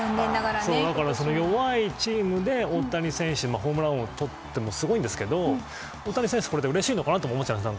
だから、弱いチームで大谷選手がホームラン王をとってもすごいですが大谷選手、これでうれしいのかなとも思っちゃうんです。